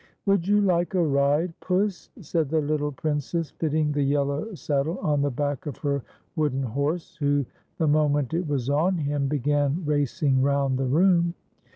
" Would you like a ride, Puss .'" said the little Princess, fitting the } ellow saddle on the back of her wooden horse, who, the moment it was on him, began racing round the room.